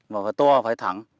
mà phải to phải thẳng